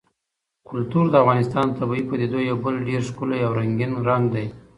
کلتور د افغانستان د طبیعي پدیدو یو بل ډېر ښکلی او رنګین رنګ دی.